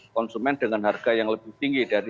konsumen dengan harga yang lebih tinggi dari